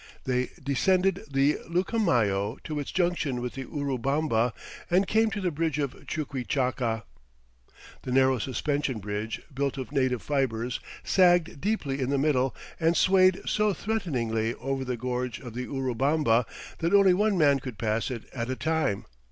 They descended the Lucumayo to its junction with the Urubamba and came to the bridge of Chuquichaca. The narrow suspension bridge, built of native fibers, sagged deeply in the middle and swayed so threateningly over the gorge of the Urubamba that only one man could pass it at a time.